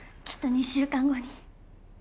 きっと２週間後に。